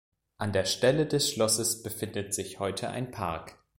An der Stelle des Schlosses befindet sich heute ein Park.